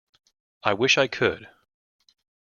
I wish I could.